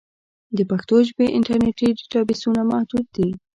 د پښتو ژبې انټرنیټي ډیټابېسونه محدود دي.